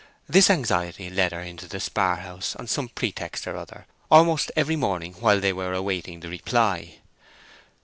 This anxiety led her into the spar house on some pretext or other almost every morning while they were awaiting the reply.